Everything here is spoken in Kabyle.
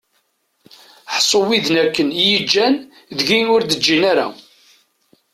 Ḥṣu widen akken i yi-ǧǧan deg-i ur d-ǧǧin ara!